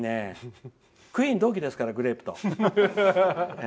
クイーン同期ですからグレープと。